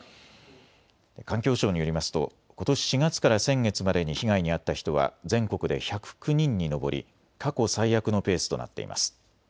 環境省によりますとことし４月から先月までに被害に遭った人は全国で１０９人に上り過去最悪のペースとなっています。